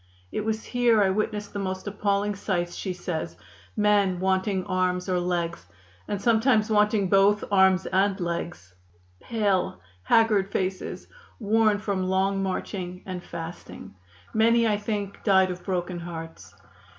"It was here I witnessed the most appalling sights," she says; "men wanting arms or legs, and sometimes wanting both arms and legs pale, haggard faces, worn from long marching and fasting. Many, I think, died of broken hearts.